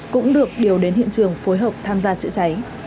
cũng được điều đến hiện trường phối hợp tham gia chữa cháy